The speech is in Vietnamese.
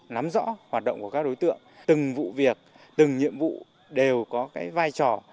nắm rõ hoạt động của các đối tượng từng vụ việc từng nhiệm vụ đều có cái vai trò